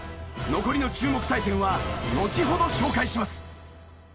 残りの注目対戦はのちほど紹介します！